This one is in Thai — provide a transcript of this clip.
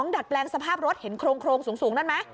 ดัดแปลงสภาพรถเห็นโครงสูงนั่นไหม